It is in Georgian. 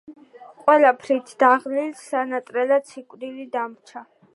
ყველაფრით დაღლილს სანატრელად სიკვდილი დამჩა